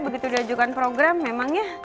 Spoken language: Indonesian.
begitu diajukan program memangnya